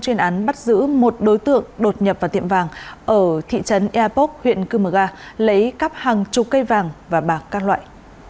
chuyên án bắt giữ một đối tượng đột nhập vào tiệm vàng ở thị trấn eapok huyện cư mờ ga lấy cắp hàng chục cây vàng và bạc các loại